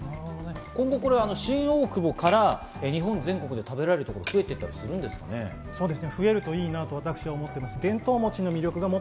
今後、新大久保から日本全国で食べられるところが増えてきたりしますかね。